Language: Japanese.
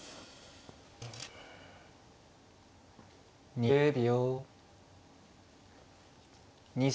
２０秒。